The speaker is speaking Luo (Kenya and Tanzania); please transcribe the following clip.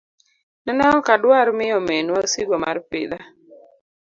Nene ok adwar miyo minwa osigo mar pidha.